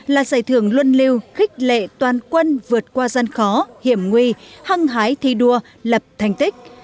là giải thưởng luân lưu khích lệ toàn quân vượt qua gian khó hiểm nguy hăng hái thi đua lập thành tích